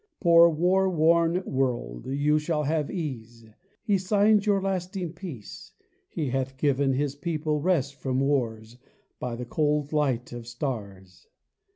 Poor war worn world, you shall have ease I He signs your lasting peace. He hath given His people rest from wars, By the cold light of stars.